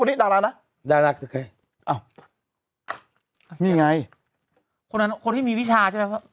นี่ดารานะดาราคือใครอ้าวนี่ไงคนนั้นคนที่มีวิชาใช่ไหม